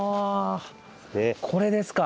これですか？